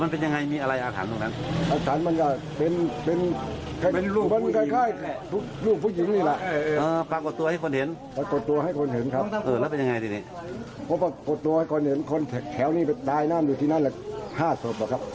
ปกตัวให้ก่อนก็เห็นคนแถวนี้ไปตายนั่นก็ดูที่นั่นแหละห้าโสดหรอครับ